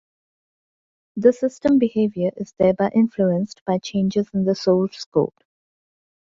The system behavior is thereby influenced by changes in the source code.